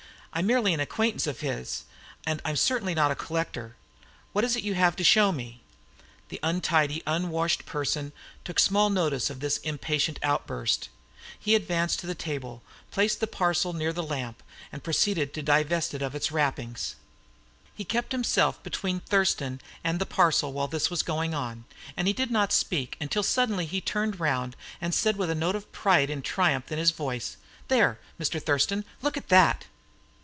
I'm merely an acquaintance of his, and I'm certainly not a collector. What is it you have to show me?" The untidy and unwashed person took small notice of this impatient outburst. He advanced to the table, placed his parcel near the lamp, and proceeded to divest it of its wrappings. He kept himself between Thurston and the parcel while this was going on, and he did not speak until he suddenly turned round, and said, with a note of pride and triumph in his voice: "There, Mr. Thurston, look at that!"